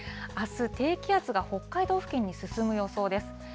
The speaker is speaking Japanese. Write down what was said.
あす、低気圧が北海道付近に進む予想です。